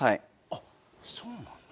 あっそうなんだ。